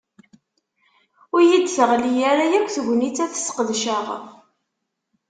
Ur yi-d-teɣli ara yakk tegnit ad t-ssqedceɣ.